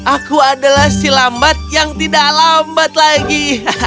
aku adalah si lambat yang tidak lambat lagi